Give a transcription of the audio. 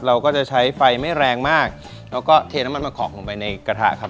เราก็จะใช้ไฟไม่แรงมากแล้วก็เทน้ำมันมะกอกลงไปในกระทะครับ